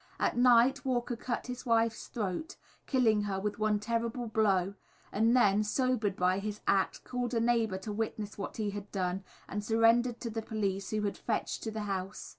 At night Walker cut his wife's throat, killing her with one terrible blow, and then, sobered by his act, called a neighbour to witness what he had done, and surrendered to the police who had been fetched to the house.